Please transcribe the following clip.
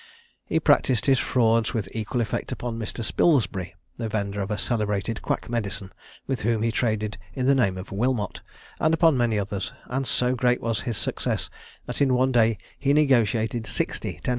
He practised his frauds with equal effect upon Mr. Spilsbury, the vender of a celebrated quack medicine, with whom he traded in the name of Wilmot, and upon many others; and so great was his success, that in one day he negotiated sixty 10_l.